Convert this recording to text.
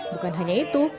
bukan hanya itu